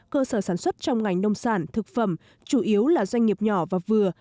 cơ sở sản xuất trong ngành nông sản thực phẩm chủ yếu là doanh nghiệp nhỏ và vừa